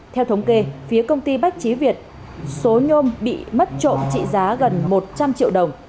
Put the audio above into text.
theo thống kê phía công ty bách trí việt số nhôm bị mất trộm trị giá gần một trăm linh triệu đồng